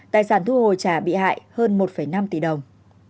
tài sản thu hồi trả bị hại hơn một năm tỷ đồng